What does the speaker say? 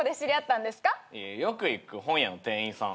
よく行く本屋の店員さん。